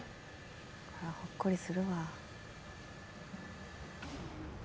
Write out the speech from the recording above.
ほっこりするわ。